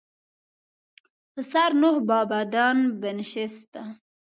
پسر نوح با بدان بنشست.